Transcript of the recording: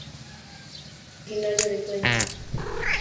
Era originario de Cuenca.